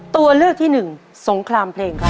ตัวเลือกที่หนึ่งสงครามเพลงครับ